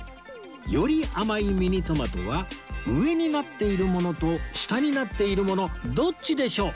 より甘いミニトマトは上になっているものと下になっているものどっちでしょう？